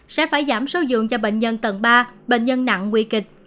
sẽ phải giảm sâu dường cho bệnh nhân tầng ba bệnh nhân nặng nguy kịch